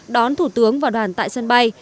đón thủ tướng và đoàn tại sân bay